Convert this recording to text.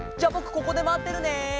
ここでまってるね。